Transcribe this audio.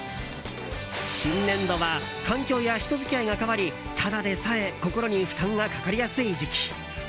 新年度は環境や人付き合いが変わりただでさえ心に負担がかかりやすい時期。